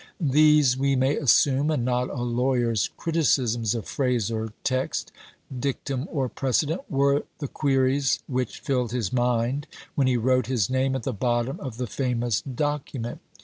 These, we may assume, and not a lawyer's criticisms of phrase or text, dictum or precedent, were the queries which filled his mind when he wrote his name at the bottom of the famous document.